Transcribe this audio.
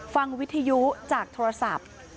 วิทยุจากโทรศัพท์